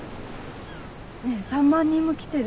ねえ３万人も来てる。